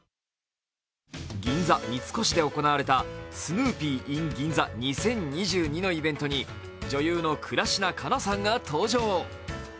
銀座三越で行われたスヌーピーｉｎ銀座２０２２のイベントに女優の倉科カナさんが登場。